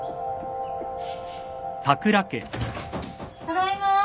ただいま。